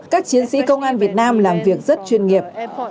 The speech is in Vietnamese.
các chiến sĩ công an việt nam làm việc rất chuyên nghiệp